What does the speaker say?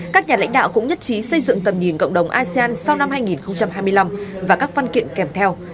các nhà lãnh đạo cũng nhất trí xây dựng tầm nhìn cộng đồng asean sau năm hai nghìn hai mươi năm và các văn kiện kèm theo